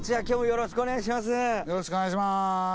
よろしくお願いします。